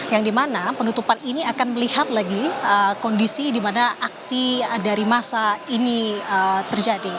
yang dimana penutupan ini akan melihat lagi kondisi di mana aksi dari masa ini terjadi